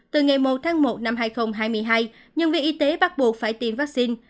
từ ngày một tháng một năm hai nghìn hai mươi hai nhân viên y tế bắt buộc phải tiêm vaccine